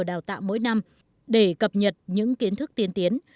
đào tạo mỗi năm để cập nhật những kiến thức tiến tiến